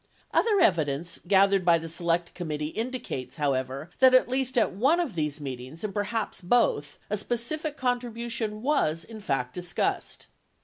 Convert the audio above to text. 43 Other evidence gathered by the Select Committee indicates, how ever, that at least at one of these meetings (and perhaps both) a specific contribution was in fact discussed.